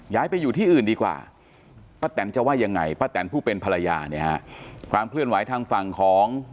ย้ายไปอยู่ที่อื่นดีกว่าป้าแตนจะว่ายังไงป้าแตนผู้เป็นภรรยาเนี่ยฮะความเคลื่อนไหวทางฝั่งของ